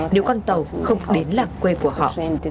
nếu con tàu không đến làng quê của họ